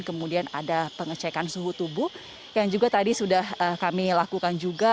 kemudian ada pengecekan suhu tubuh yang juga tadi sudah kami lakukan juga